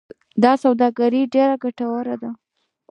دا سوداګري ډیره ګټوره ده.